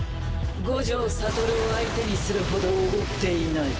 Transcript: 五条悟を相手にするほどおごっていない。